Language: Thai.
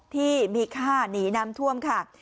ที่มีค่าหนีน้ำท่วมค่ะ